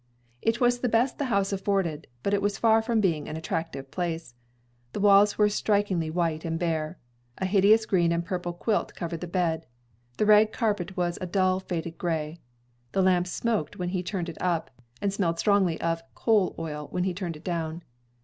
It was the best the house afforded, but it was far from being an attractive place. The walls were strikingly white and bare. A hideous green and purple quilt covered the bed. The rag carpet was a dull, faded gray. The lamp smoked when he turned it up, and smelled strongly of coal oil when he turned it down.